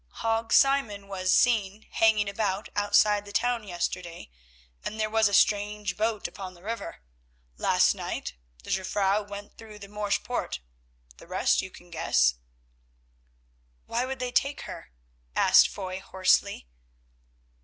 "Hague Simon was seen hanging about outside the town yesterday, and there was a strange boat upon the river. Last night the Jufvrouw went through the Morsch poort. The rest you can guess." "Why would they take her?" asked Foy hoarsely.